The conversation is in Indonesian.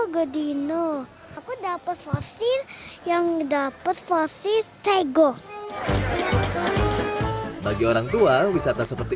moto prodino aku dapet fosil yang dapat fosil take go bagi orang tua wisata seperti